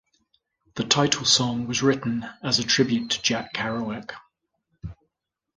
The title song was written as a tribute to Jack Kerouac.